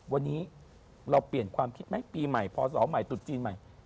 วันนี้เราเปลี่ยนความคิดไหมปีใหม่พศใหม่ตุดจีนใหม่